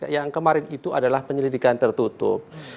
yang kemarin itu adalah penyelidikan tertutup